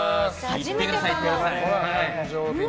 初めてかも。